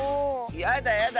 やだやだ